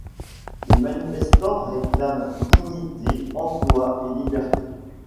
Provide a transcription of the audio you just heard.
Les manifestants réclament dignité, emplois et libertés.